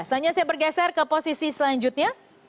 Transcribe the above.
selanjutnya saya bergeser ke posisi selanjutnya